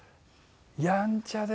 やんちゃですね。